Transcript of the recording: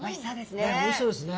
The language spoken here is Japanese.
ねっおいしそうですね。